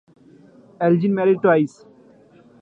Elgin married twice.